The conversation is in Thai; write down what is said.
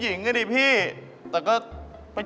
ถ้าเป็นปากถ้าเป็นปากถ้าเป็นปาก